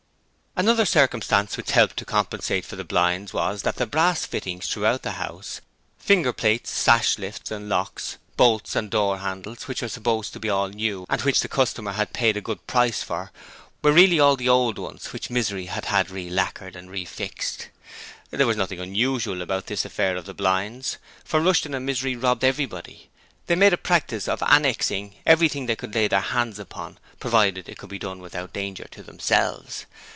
Another circumstance which helped to compensate for the blinds was that the brass fittings throughout the house, finger plates, sash lifts and locks, bolts and door handles, which were supposed to be all new and which the customer had paid a good price for were really all the old ones which Misery had had re lacquered and refixed. There was nothing unusual about this affair of the blinds, for Rushton and Misery robbed everybody. They made a practice of annexing every thing they could lay their hands upon, provided it could be done without danger to themselves.